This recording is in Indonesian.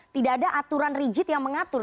tidak ada aturan rigid yang mengatur